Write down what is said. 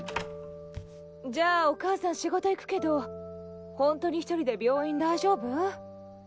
じゃあお母さん仕事行くけどほんとに１人で病院大丈夫？